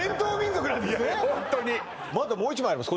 まだもう１枚あります